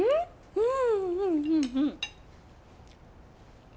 うん！